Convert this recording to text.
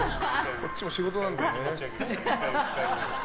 こっちも仕事なんだよな。